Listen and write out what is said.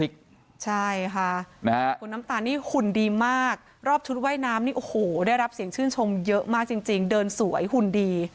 ใช่ค่ะคุณน้ำตาลนี่หุ่นดีมากรอบชุดว่ายน้ำนี่โอ้โหได้รับเสียงชื่นชมเยอะมากจริงเดินสวยหุ่นดี